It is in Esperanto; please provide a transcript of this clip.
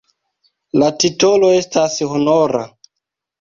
La titolo estas honora.